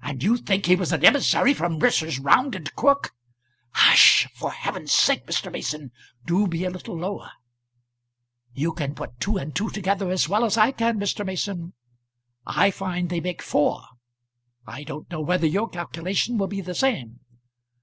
"And you think he was an emissary from Messrs. Round and Crook?" "Hush sh sh. For heaven's sake, Mr. Mason, do be a little lower. You can put two and two together as well as I can, Mr. Mason. I find they make four. I don't know whether your calculation will be the same.